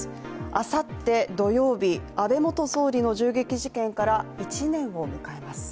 あさって土曜日、安倍元総理の銃撃事件から１年を迎えます。